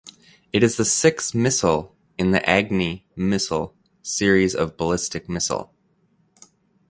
It is the sixth missile in the Agni (missile) series of ballistic missile.